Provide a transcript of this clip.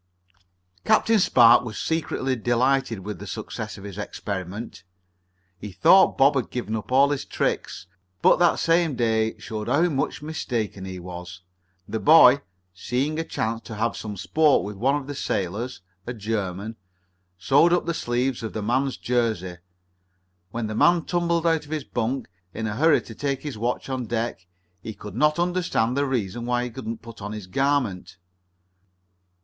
Captain Spark was secretly delighted with the success of his experiment. He thought Bob had given up all his tricks, but that same day showed how much mistaken he was. The boy, seeing a chance to have some sport with one of the sailors a German sewed up the sleeves of the man's Jersey. When the man tumbled out of his bunk, in a hurry to take his watch on deck, he could not understand the reason why he could not put on his garment.